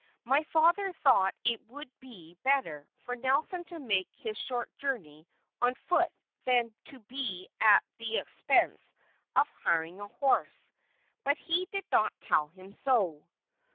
My father thought that it would be better for Nelson to make his short journey on foot than to be at the expense of hiring a horse, but he did not tell him so.